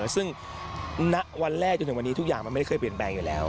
ซึ่งณวันแรกจนถึงวันนี้ทุกอย่างมันไม่ได้เคยเปลี่ยนแปลงอยู่แล้ว